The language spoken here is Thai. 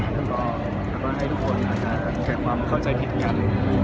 แล้วก็ให้ทุกคนอาจจะแข่งความเข้าใจผิดอย่างหนึ่ง